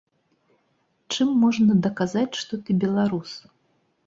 Чым можна даказаць, што ты беларус?